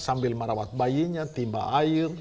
sambil merawat bayinya timba air